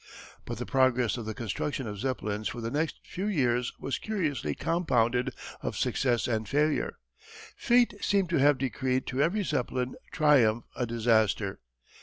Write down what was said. But the progress of the construction of Zeppelins for the next few years was curiously compounded of success and failure. Fate seemed to have decreed to every Zeppelin triumph a disaster.